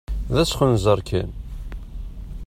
D asxenzer kan!